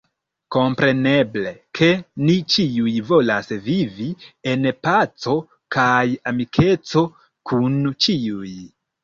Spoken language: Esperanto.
Kompreneble, ke ni ĉiuj volas vivi en paco kaj amikeco kun ĉiuj.